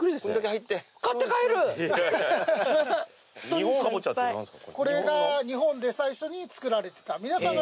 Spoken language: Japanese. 日本かぼちゃって何すか？